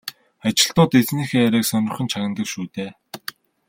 Ажилтнууд эзнийхээ яриаг сонирхон чагнадаг шүү дээ.